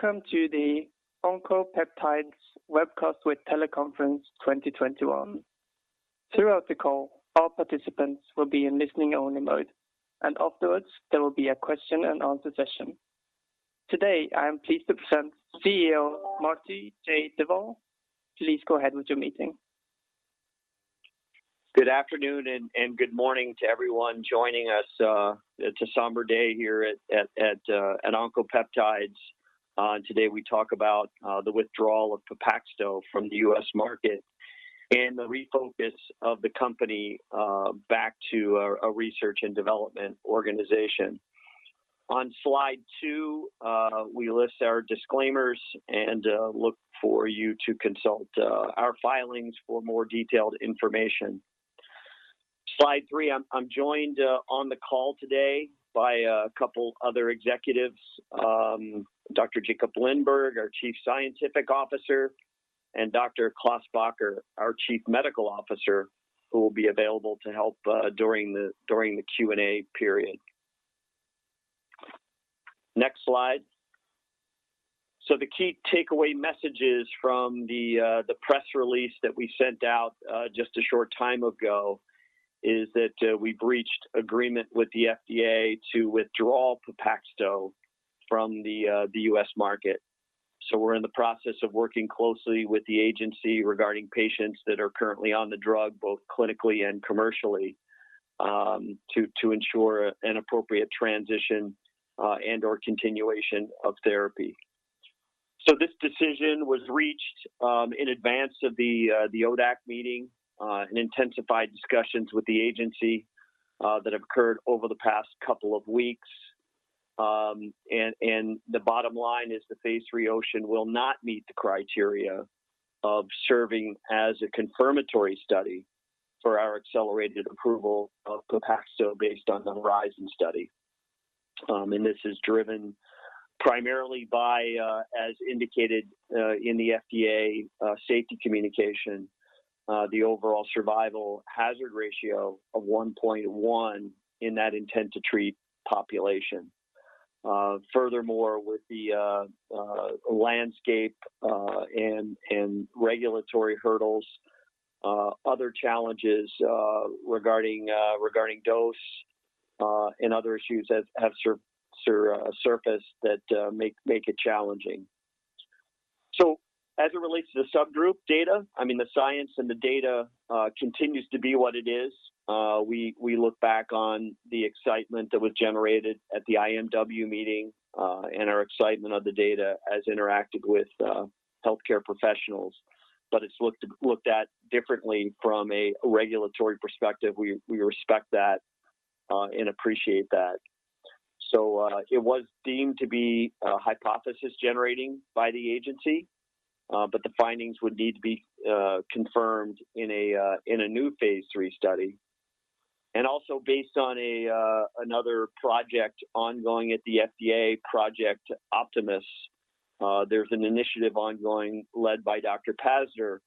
Welcome to the Oncopeptides Webcast with Teleconference 2021. Throughout the call, all participants will be in listening only mode. Afterwards, there will be a question and answer session. Today, I am pleased to present CEO Marty J. Duvall. Please go ahead with your meeting. Good afternoon and good morning to everyone joining us. It's a somber day here at Oncopeptides. Today we talk about the withdrawal of Pepaxto from the U.S. market and the refocus of the company back to a research and development organization. On slide two, we list our disclaimers and look for you to consult our filings for more detailed information. Slide three. I'm joined on the call today by a couple other executives, Dr. Jakob Lindberg, our Chief Scientific Officer, and Dr. Klaas Bakker, our Chief Medical Officer, who will be available to help during the Q&A period. Next slide. The key takeaway messages from the press release that we sent out just a short time ago is that we reached agreement with the FDA to withdraw Pepaxto from the U.S. market. We're in the process of working closely with the agency regarding patients that are currently on the drug, both clinically and commercially, to ensure an appropriate transition and/or continuation of therapy. This decision was reached in advance of the ODAC meeting and intensified discussions with the agency that occurred over the past couple of weeks. The bottom line is the phase III OCEAN will not meet the criteria of serving as a confirmatory study for our Accelerated Approval of Pepaxto based on the HORIZON study. This is driven primarily by, as indicated in the FDA safety communication, the overall survival hazard ratio of 1.1 in that intent-to-treat population. Furthermore, with the landscape and regulatory hurdles, other challenges regarding dose and other issues have surfaced that make it challenging. As it relates to the subgroup data, I mean, the science and the data continues to be what it is. We look back on the excitement that was generated at the IMW meeting and our excitement of the data as interacted with healthcare professionals. It's looked at differently from a regulatory perspective. We respect that and appreciate that. It was deemed to be hypothesis-generating by the agency, but the findings would need to be confirmed in a new phase III study. Also based on another project ongoing at the FDA, Project Optimus, there's an initiative ongoing led by Dr. Pazdur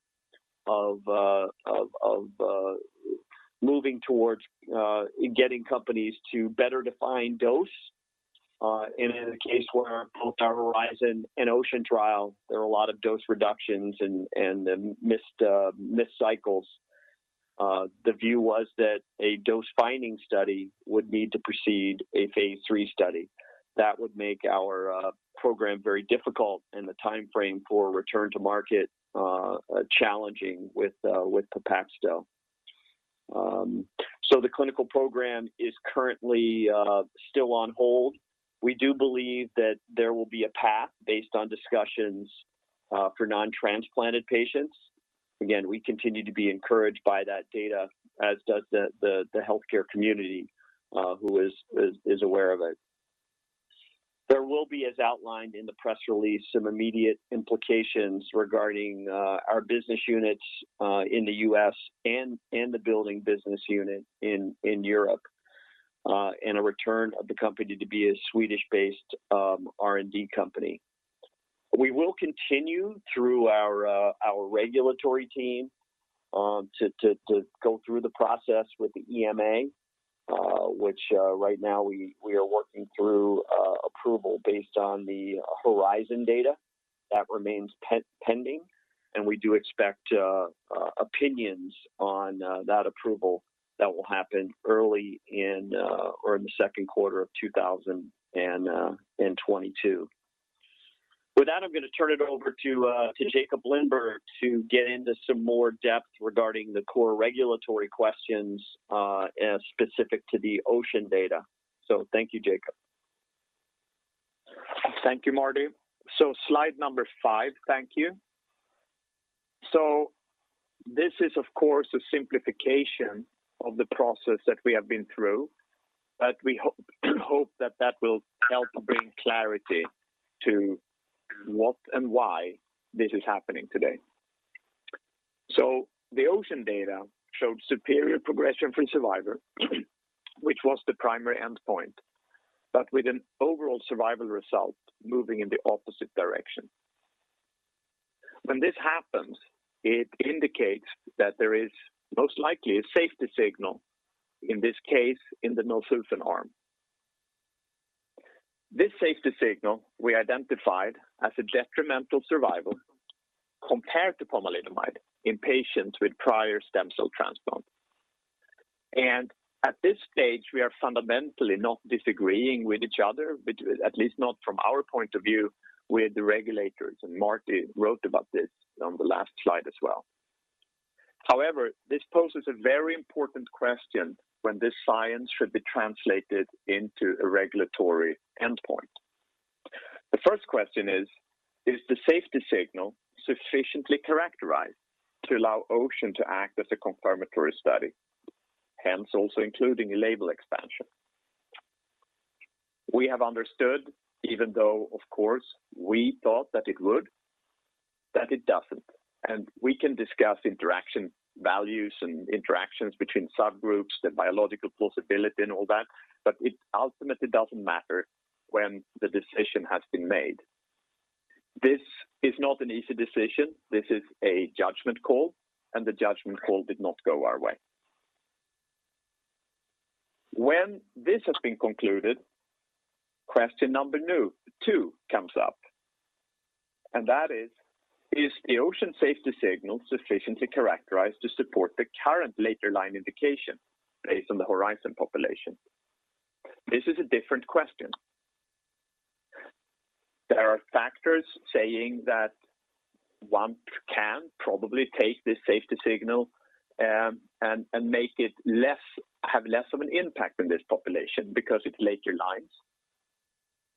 of moving towards getting companies to better define dose. In a case where both our HORIZON and OCEAN trial, there were a lot of dose reductions and missed cycles. The view was that a dose-finding study would need to precede a phase III study. That would make our program very difficult and the timeframe for return to market challenging with Pepaxto. The clinical program is currently still on hold. We do believe that there will be a path based on discussions for non-transplanted patients. Again, we continue to be encouraged by that data, as does the healthcare community who is aware of it. There will be, as outlined in the press release, some immediate implications regarding our business units in the U.S. and the building business unit in Europe, and a return of the company to be a Swedish-based R&D company. We will continue through our regulatory team to go through the process with the EMA, which right now we are working through approval based on the HORIZON data that remains pending. We do expect opinions on that approval that will happen early in or in the second quarter of 2022. With that, I'm going to turn it over to Jakob Lindberg to get into some more depth regarding the core regulatory questions as specific to the OCEAN data. Thank you, Jakob. Thank you, Marty. Slide number five. Thank you. This is, of course, a simplification of the process that we have been through, but we hope that that will help bring clarity to what and why this is happening today. The OCEAN data showed superior progression-free survival, which was the primary endpoint, but with an overall survival result moving in the opposite direction. When this happens, it indicates that there is most likely a safety signal, in this case, in the melphalan arm. This safety signal we identified as a detrimental survival compared to pomalidomide in patients with prior stem cell transplant. At this stage, we are fundamentally not disagreeing with each other, at least not from our point of view with the regulators, and Marty wrote about this on the last slide as well. However, this poses a very important question when this science should be translated into a regulatory endpoint. The first question is: Is the safety signal sufficiently characterized to allow OCEAN to act as a confirmatory study, hence also including a label expansion? We have understood, even though of course we thought that it would, that it doesn't. We can discuss interaction values and interactions between subgroups, the biological plausibility and all that, but it ultimately doesn't matter when the decision has been made. This is not an easy decision. This is a judgment call, and the judgment call did not go our way. When this has been concluded, question number two comes up, and that is: Is the OCEAN safety signal sufficiently characterized to support the current label line indication based on the HORIZON population? This is a different question. There are factors saying that one can probably take this safety signal and have it have less of an impact in this population because it's later lines.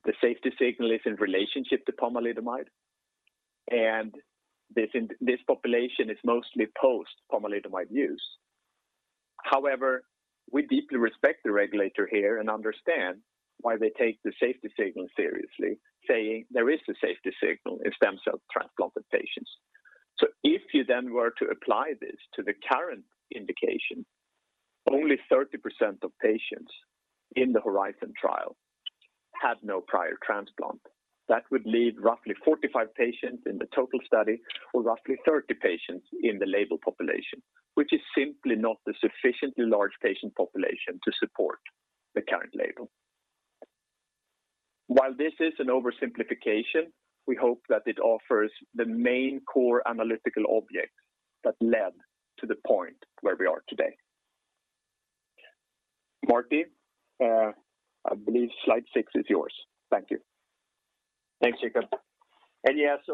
The safety signal is in relationship to pomalidomide, and this population is mostly post-pomalidomide use. However, we deeply respect the regulator here and understand why they take the safety signal seriously, saying there is a safety signal in stem cell transplant patients. If you then were to apply this to the current indication, only 30% of patients in the HORIZON trial had no prior transplant. That would leave roughly 45 patients in the total study or roughly 30 patients in the label population, which is simply not a sufficiently large patient population to support the current label. While this is an oversimplification, we hope that it offers the main core analytical objects that led to the point where we are today. Marty, I believe slide six is yours. Thank you. Thanks, Jakob.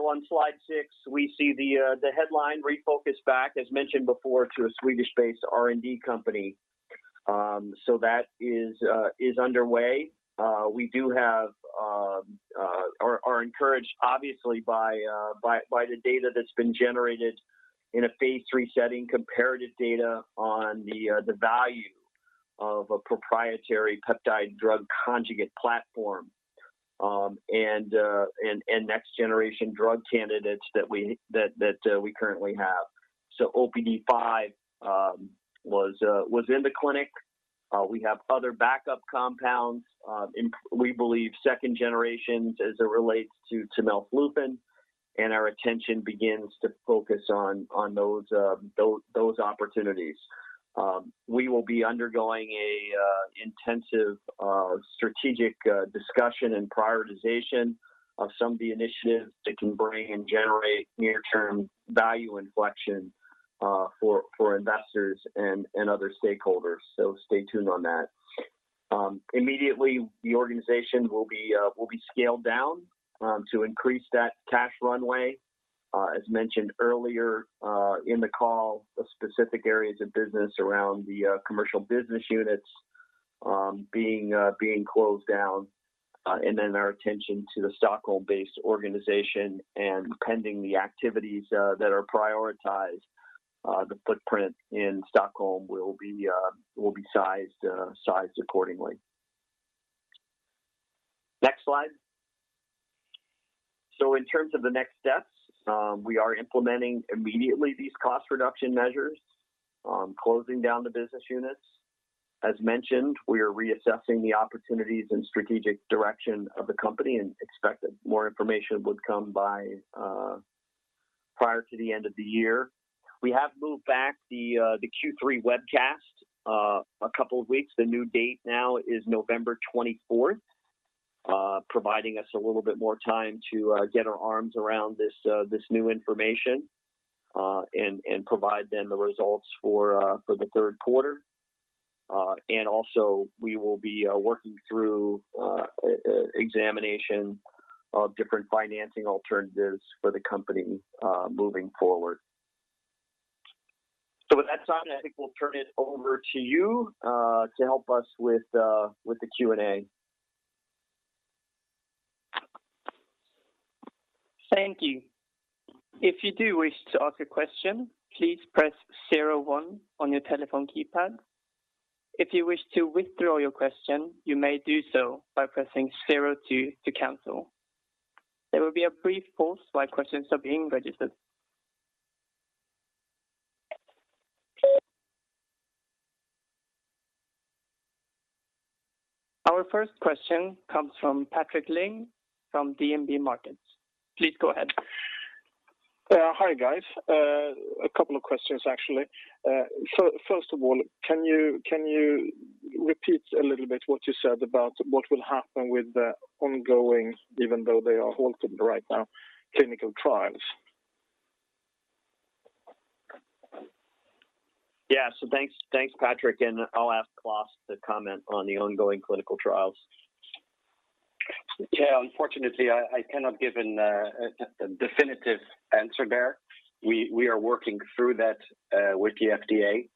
On slide six, we see the headline refocused back, as mentioned before, to a Swedish-based R&D company. That is underway. We are encouraged obviously by the data that's been generated in a phase III setting, comparative data on the value of a proprietary peptide-drug conjugate platform, and next-generation drug candidates that we currently have. OPD5 was in the clinic. We have other backup compounds in, we believe, second generations as it relates to melphalan, and our attention begins to focus on those opportunities. We will be undergoing an intensive strategic discussion and prioritization of some of the initiatives that can bring and generate near-term value inflection for investors and other stakeholders. Stay tuned on that. Immediately, the organization will be scaled down to increase that cash runway. As mentioned earlier in the call, the specific areas of business around the commercial business units being closed down, and then our attention to the Stockholm-based organization and pending the activities that are prioritized, the footprint in Stockholm will be sized accordingly. Next slide. In terms of the next steps, we are implementing immediately these cost reduction measures, closing down the business units. As mentioned, we are reassessing the opportunities and strategic direction of the company and expect that more information would come prior to the end of the year. We have moved back the Q3 webcast a couple of weeks. The new date now is November 24th, providing us a little bit more time to get our arms around this new information and provide then the results for the third quarter. Also, we will be working through examination of different financing alternatives for the company moving forward. With that, Simon, I think we'll turn it over to you to help us with the Q&A. Thank you. If you do wish to ask a question, please press zero one on your telephone keypad. If you wish to withdraw your question, you may do so by pressing zero two to cancel. There will be a brief pause while questions are being registered. Our first question comes from Patrik Ling from DNB Markets. Please go ahead. Hi, guys. A couple of questions, actually. First of all, can you repeat a little bit what you said about what will happen with the ongoing, even though they are halted right now, clinical trials? Yeah. Thanks, Patrik. I'll ask Klaas to comment on the ongoing clinical trials. Unfortunately, I cannot give a definitive answer there. We are working through that with the FDA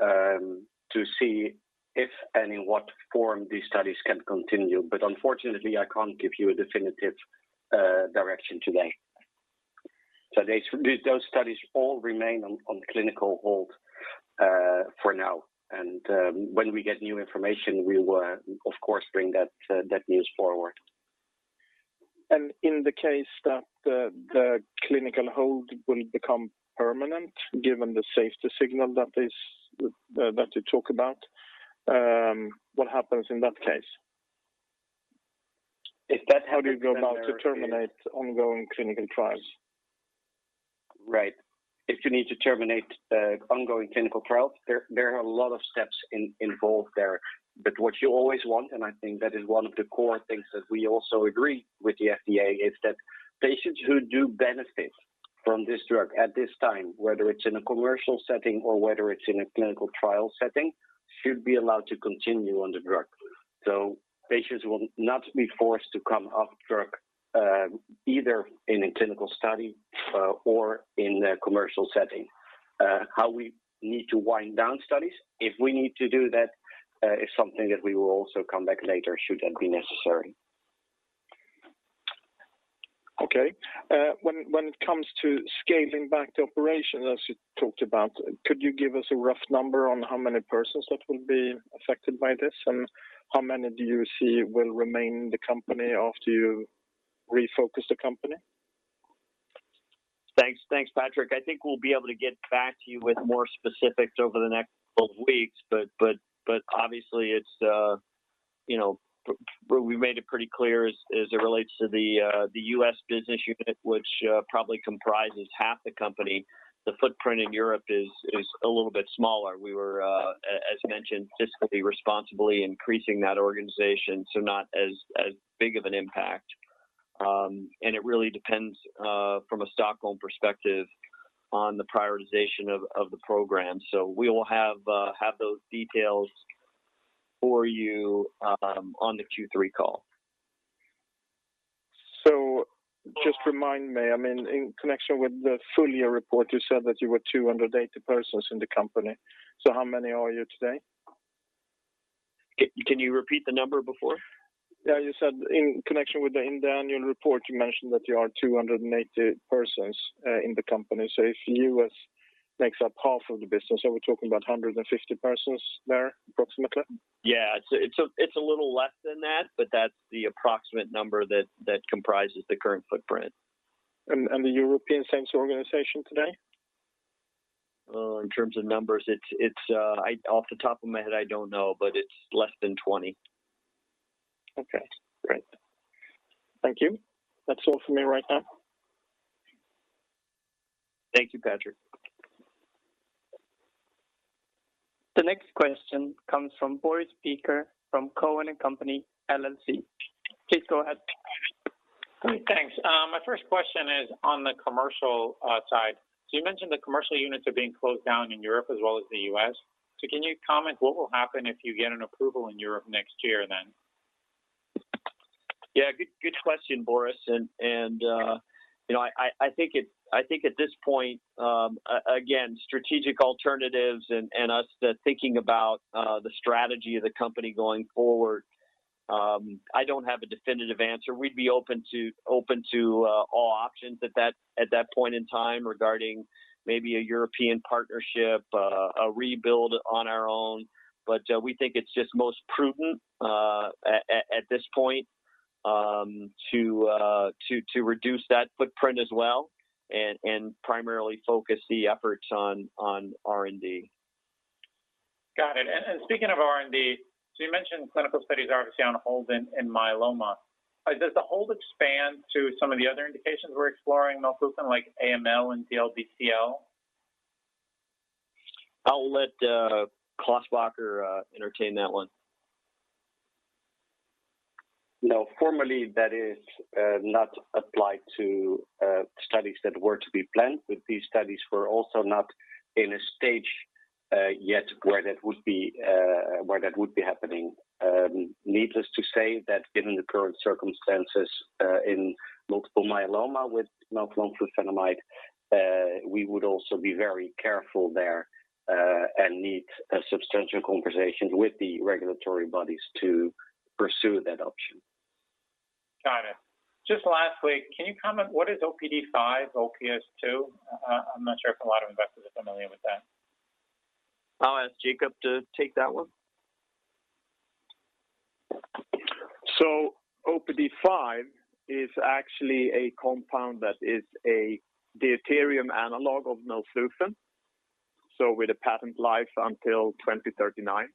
to see if and in what form these studies can continue. Unfortunately, I can't give you a definitive direction today. Those studies all remain on clinical hold for now. When we get new information, we will of course bring that news forward. In the case that the clinical hold will become permanent, given the safety signal that you talk about, what happens in that case? If that happens then. How do you go about to terminate ongoing clinical trials? Right. If you need to terminate ongoing clinical trials, there are a lot of steps involved there. What you always want, and I think that is one of the core things that we also agree with the FDA, is that patients who do benefit from this drug at this time, whether it's in a commercial setting or whether it's in a clinical trial setting, should be allowed to continue on the drug. Patients will not be forced to come off drug, either in a clinical study or in a commercial setting. How we need to wind down studies, if we need to do that, is something that we will also come back later should that be necessary. Okay. When it comes to scaling back the operations as you talked about, could you give us a rough number on how many persons that will be affected by this? How many do you see will remain in the company after you refocus the company? Thanks, Patrik. I think we'll be able to get back to you with more specifics over the next couple weeks, but obviously we've made it pretty clear as it relates to the U.S. business unit, which probably comprises half the company. The footprint in Europe is a little bit smaller. We were, as mentioned, fiscally responsibly increasing that organization, so not as big of an impact. It really depends from a Stockholm perspective on the prioritization of the program. We will have those details for you on the Q3 call. Just remind me. In connection with the full year report, you said that you were 280 persons in the company. How many are you today? Can you repeat the number before? Yeah, you said in connection with the annual report, you mentioned that you are 280 persons in the company. If U.S. makes up half of the business, are we talking about 150 persons there approximately? Yeah. It's a little less than that, but that's the approximate number that comprises the current footprint. The European sales organization today? In terms of numbers, off the top of my head, I don't know, but it's less than 20. Okay, great. Thank you. That's all from me right now. Thank you, Patrik. The next question comes from Boris Peaker from Cowen and Company, LLC. Please go ahead. Great. Thanks. My first question is on the commercial side. You mentioned the commercial units are being closed down in Europe as well as the U.S. Can you comment what will happen if you get an approval in Europe next year then? Yeah. Good question, Boris. I think at this point, again, strategic alternatives and us thinking about the strategy of the company going forward, I don't have a definitive answer. We'd be open to all options at that point in time regarding maybe a European partnership, a rebuild on our own. We think it's just most prudent at this point to reduce that footprint as well and primarily focus the efforts on R&D. Got it. Speaking of R&D, you mentioned clinical studies are obviously on hold in myeloma. Does the hold expand to some of the other indications we're exploring, melflufen like AML and DLBCL? I'll let Klaas Bakker entertain that one. No, formally that is not applied to studies that were to be planned. These studies were also not in a stage yet where that would be happening. Needless to say that given the current circumstances in multiple myeloma with melphalan flufenamide, we would also be very careful there and need substantial conversations with the regulatory bodies to pursue that option. Got it. Just lastly, can you comment what is OPD5, OPS2? I'm not sure if a lot of investors are familiar with that. I'll ask Jakob to take that one. OPD5 is actually a compound that is a deuterium analog of melflufen with a patent life until 2039.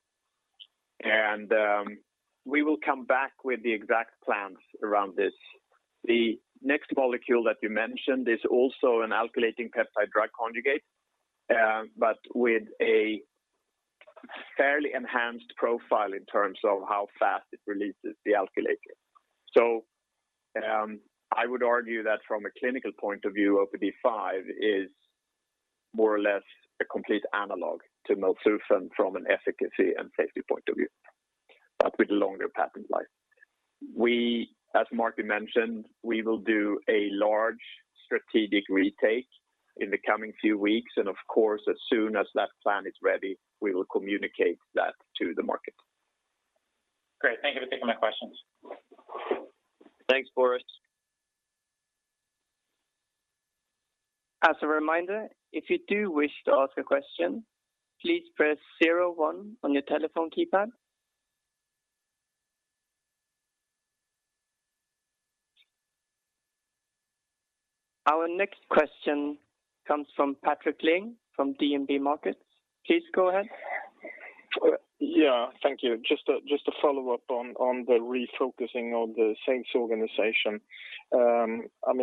We will come back with the exact plans around this. The next molecule that you mentioned is also an alkylating peptide-drug conjugate, but with a fairly enhanced profile in terms of how fast it releases the alkylator. I would argue that from a clinical point of view, OPD5 is more or less a complete analog to melflufen from an efficacy and safety point of view, but with a longer patent life. As Marty mentioned, we will do a large strategic retake in the coming few weeks, and of course, as soon as that plan is ready, we will communicate that to the market. Great. Thank you for taking my questions. Thanks, Boris. As a reminder, if you do wish to ask a question, please press zero one on your telephone keypad. Our next question comes from Patrik Ling of DNB Markets. Please go ahead. Yeah, thank you. Just to follow up on the refocusing of the sales organization. How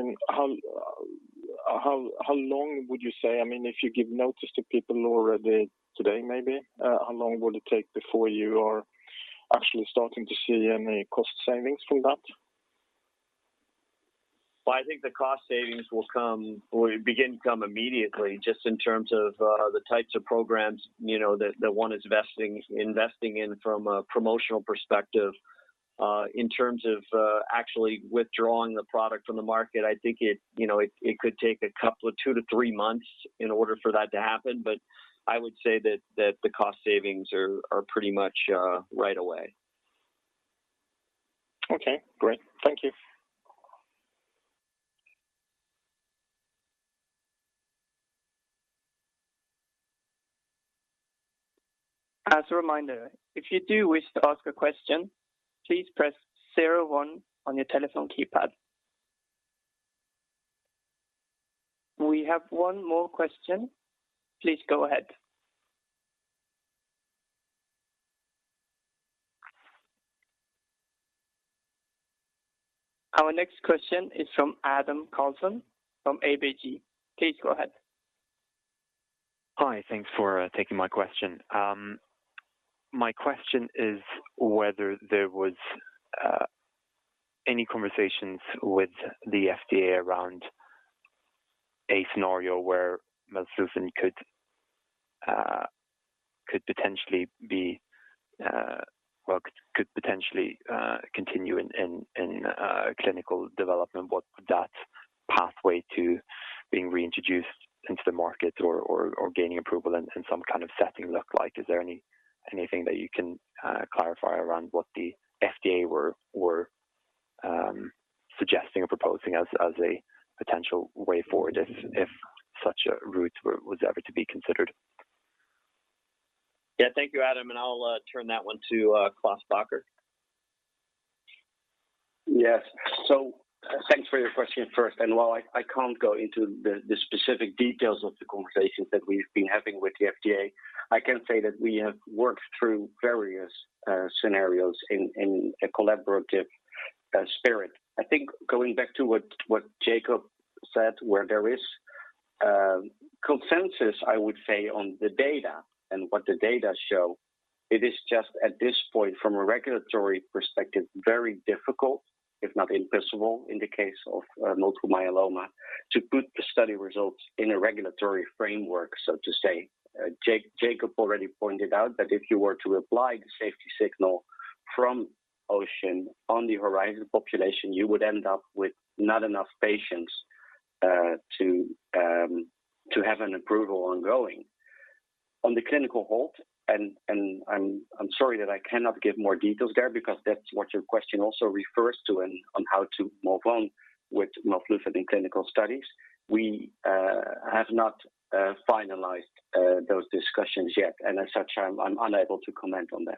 long would you say, if you give notice to people already today maybe, how long will it take before you are actually starting to see any cost savings from that? Well, I think the cost savings will begin to come immediately just in terms of the types of programs that one is investing in from a promotional perspective. In terms of actually withdrawing the product from the market, I think it could take a couple of two months-three months in order for that to happen, but I would say that the cost savings are pretty much right away. Okay, great. Thank you. As a reminder, if you do wish to ask a question, please press 01 on your telephone keypad. We have one more question. Please go ahead. Our next question is from Adam Carlson from ABG. Please go ahead. Hi, thanks for taking my question. My question is whether there was any conversations with the FDA around a scenario where melflufen could potentially continue in clinical development. What would that pathway to being reintroduced into the market or gaining approval in some kind of setting look like? Is there anything that you can clarify around what the FDA were suggesting or proposing as a potential way forward if such a route was ever to be considered? Yeah, thank you, Adam, and I'll turn that one to Klaas Bakker. Yes. Thanks for your question first, and while I can't go into the specific details of the conversations that we've been having with the FDA, I can say that we have worked through various scenarios in a collaborative spirit. I think going back to what Jakob said, where there is consensus, I would say, on the data and what the data show, it is just at this point, from a regulatory perspective, very difficult, if not impossible in the case of multiple myeloma, to put the study results in a regulatory framework, so to say. Jakob already pointed out that if you were to apply the safety signal from OCEAN on the HORIZON population, you would end up with not enough patients to have an approval ongoing. On the clinical hold, I'm sorry that I cannot give more details there because that's what your question also refers to on how to move on with melflufen in clinical studies. We have not finalized those discussions yet, and as such, I'm unable to comment on them.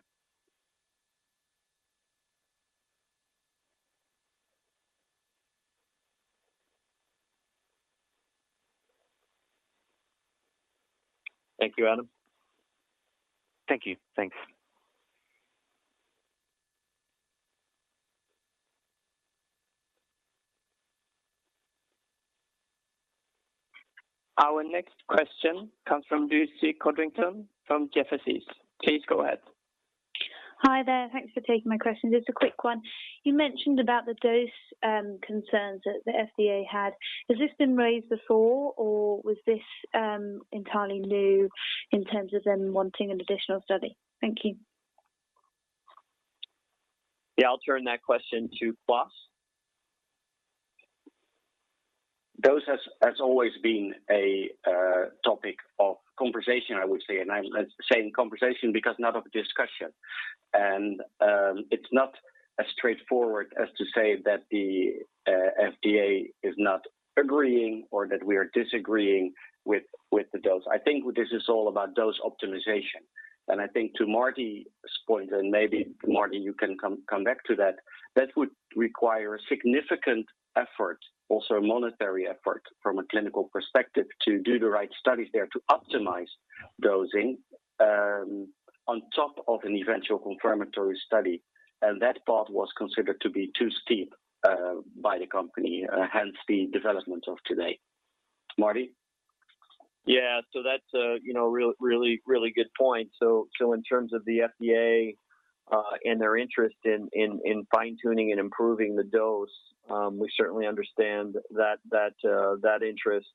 Thank you, Adam. Thank you. Thanks. Our next question comes from Lucy Codrington from Jefferies. Please go ahead. Hi there. Thanks for taking my question. Just a quick one. You mentioned about the dose concerns that the FDA had. Has this been raised before, or was this entirely new in terms of them wanting an additional study? Thank you. Yeah, I'll turn that question to Klaas. Dose has always been a topic of conversation, I would say, and I say conversation because not of discussion. It's not as straightforward as to say that the FDA is not agreeing or that we are disagreeing with the dose. I think this is all about dose optimization. I think to Marty's point, and maybe, Marty, you can come back to that would require a significant effort, also a monetary effort from a clinical perspective to do the right studies there to optimize dosing on top of an eventual confirmatory study. That path was considered to be too steep by the company, hence the development of today. Marty? That's a really good point. In terms of the FDA and their interest in fine-tuning and improving the dose, we certainly understand that interest.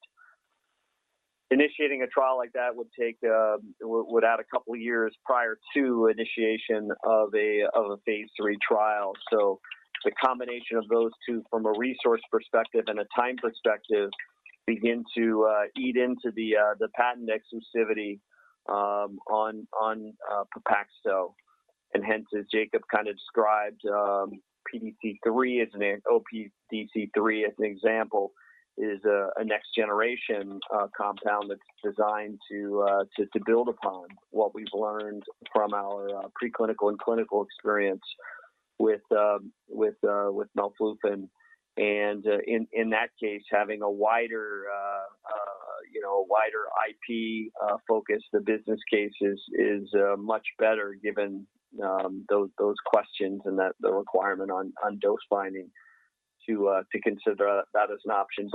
Initiating a trial like that would add a couple of years prior to initiation of a phase III trial. The combination of those two from a resource perspective and a time perspective begin to eat into the patent exclusivity on Pepaxto, and hence, as Jakob kind of described, OPD5 as an example, is a next generation compound that's designed to build upon what we've learned from our preclinical and clinical experience with melflufen and in that case, having a wider IP focus, the business case is much better given those questions and the requirement on dose finding to consider that as an option.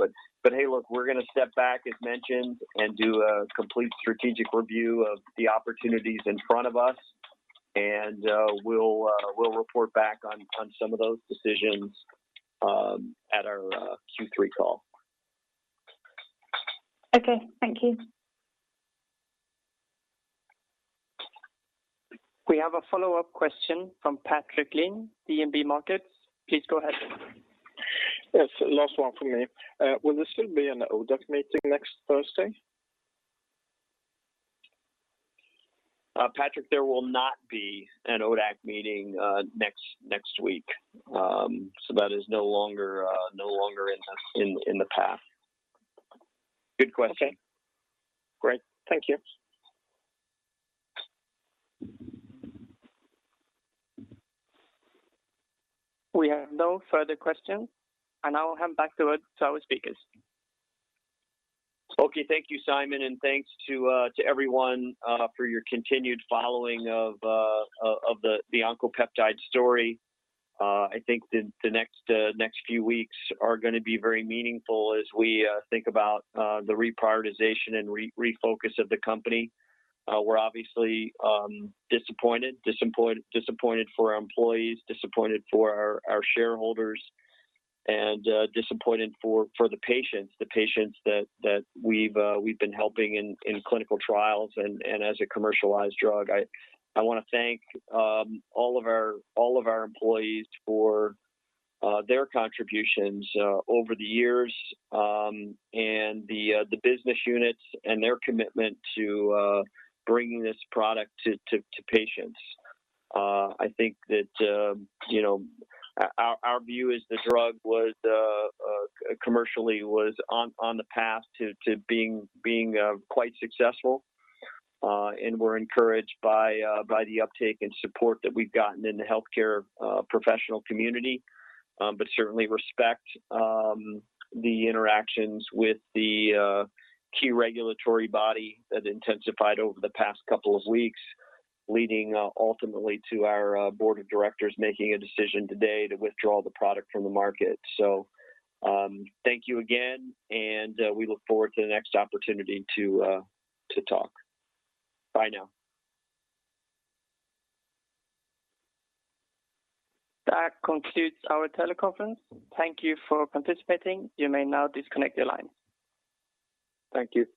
Hey, look, we're going to step back as mentioned, and do a complete strategic review of the opportunities in front of us, and we'll report back on some of those decisions at our Q3 call. Okay. Thank you. We have a follow-up question from Patrik Ling, DNB Markets. Please go ahead. Yes, last one from me. Will there still be an ODAC meeting next Thursday? Patrik, there will not be an ODAC meeting next week. That is no longer in the path. Good question. Okay. Great. Thank you. We have no further questions, and I will hand back to our speakers. Okay. Thank you, Simon, and thanks to everyone for your continued following of the Oncopeptides story. I think the next few weeks are going to be very meaningful as we think about the reprioritization and refocus of the company. We're obviously disappointed for our employees, disappointed for our shareholders, and disappointed for the patients that we've been helping in clinical trials and as a commercialized drug. I want to thank all of our employees for their contributions over the years, and the business units and their commitment to bringing this product to patients. I think that our view is the drug commercially was on the path to being quite successful, and we're encouraged by the uptake and support that we've gotten in the healthcare professional community. Certainly respect the interactions with the key regulatory body that intensified over the past couple of weeks, leading ultimately to our board of directors making a decision today to withdraw the product from the market. Thank you again, and we look forward to the next opportunity to talk. Bye now. That concludes our teleconference. Thank you for participating. You may now disconnect your line. Thank you.